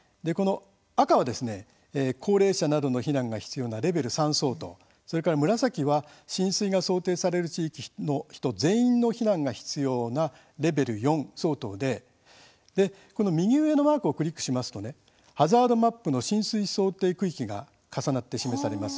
赤は高齢者などの避難が必要なレベル３相当、紫は浸水が想定される地域の人全員の避難が必要なレベル４相当で右上のマークをクリックしますとハザードマップの浸水想定区域が重なって示されます。